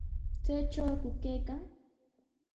¿Chaytrawku kawan?